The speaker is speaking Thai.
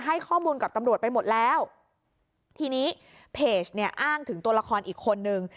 ให้ข้อมูลกับตำรวจไปหมดแล้วทีนี้เพจเนี่ยอ้างถึงตัวละครอีกคนนึง